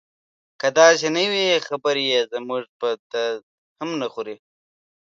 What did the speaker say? که داسې نه وي خبرې یې زموږ په درد هم نه خوري.